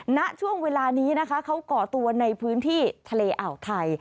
ณช่วงเวลานี้นะคะเขาก่อตัวในพื้นที่ทะเลอ่าวไทย